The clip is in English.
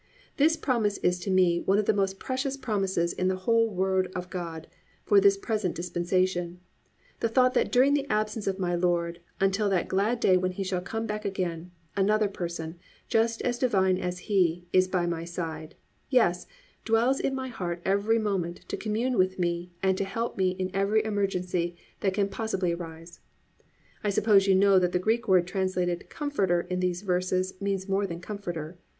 This promise is to me one of the most precious promises in the whole Word of God for this present dispensation, the thought that during the absence of my Lord, until that glad day when He shall come back again, another Person, just as divine as He, is by my side, yes, dwells in my heart every moment to commune with me and to help me in every emergency that can possibly arise. I suppose you know that the Greek word translated Comforter in these verses means more than Comforter.